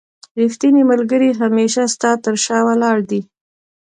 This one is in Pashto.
رښتينی ملګری هميشه ستا تر شا ولاړ دی